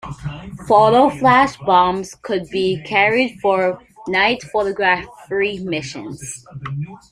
Photo-flash bombs could be carried for night photography missions.